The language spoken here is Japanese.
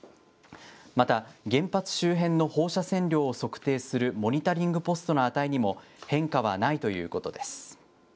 また、原発周辺の放射線量を測定するモニタリングポストの値にも変化はないということです。